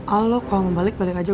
al lo kalo mau balik balik aja